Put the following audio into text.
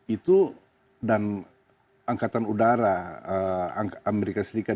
itu dan angkatan udara amerika serikat